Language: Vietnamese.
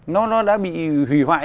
nó đã bị hủy hoại